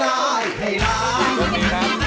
เฮ้อเฮ้อเฮ้อ